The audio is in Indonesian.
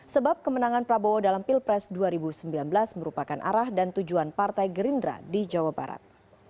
sebab kemenangan prabowo dalam pilpres dua ribu sembilan belas merupakan arah dan tujuan partai gerindra di jawa barat